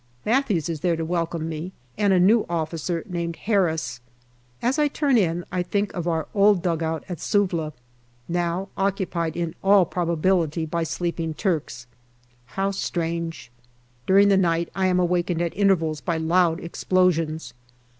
Matthews is there to welcome me, and a new officer named Harris. As I turn in, I think of our old dugout at Suvla, now occupied in all probability by sleeping Turks. How strange ! During the night I am awakened at intervals by loud explosions.